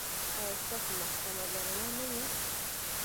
ایا ستاسو محکمه به رڼه نه وي؟